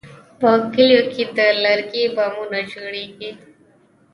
په کلیو کې د لرګي بامونه جوړېږي.